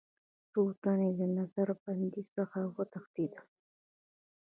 څو تنه یې له نظر بندۍ څخه وتښتېدل.